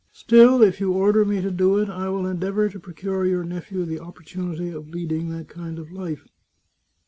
Still, if you order me to do it, I will endeavour to procure your nephew the op portunity of leading that kind of life."